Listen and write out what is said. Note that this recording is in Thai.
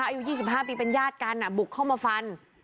อายุ๒๕ปีเป็นญาติกันบุกเข้ามาฟัน